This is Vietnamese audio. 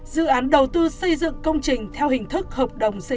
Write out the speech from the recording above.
dự án đầu tư xây dựng công trình theo hình thức hợp đồng xây dựng